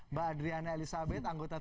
mbak adriana elizabeth anggota